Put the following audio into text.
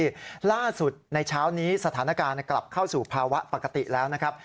ล่าสุดในเช้านี้สถานการณ์กลับเข้าสู่ภาวะปกติแล้วนะครับ